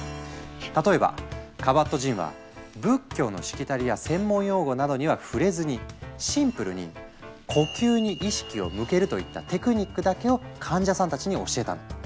例えばカバットジンは仏教のしきたりや専門用語などには触れずにシンプルに「呼吸に意識を向ける」といった「テクニック」だけを患者さんたちに教えたの。